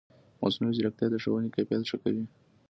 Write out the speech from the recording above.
مصنوعي ځیرکتیا د ښوونې کیفیت ښه کوي.